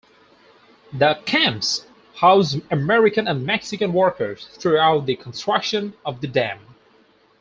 The "camps" housed American and Mexican workers throughout the construction of the dam.